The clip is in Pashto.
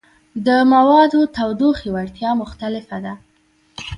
د موادو تودوخې وړتیا مختلفه ده.